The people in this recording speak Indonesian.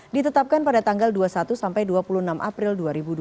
ditetapkan pada tanggal dua puluh satu sampai dua puluh enam april dua ribu dua puluh